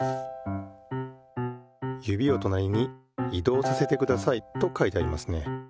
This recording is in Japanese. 「指をとなりに移動させてください」と書いてありますね。